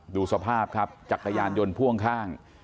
ดูสภาพครับจักรยานยนต์พ่วงข้าง